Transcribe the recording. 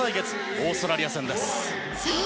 オーストラリア戦です。